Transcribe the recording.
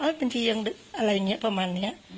ุคชีพยังอะไรเนี่ยประมาณเนี้ย